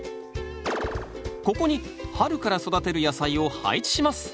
ここに春から育てる野菜を配置します。